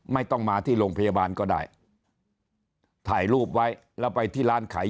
ไม่ต้องมาที่โรงพยาบาลก็ได้ถ่ายรูปไว้แล้วไปที่ร้านขาย